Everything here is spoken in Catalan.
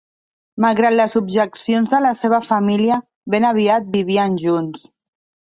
Malgrat les objeccions de la seva família, ben aviat vivien junts.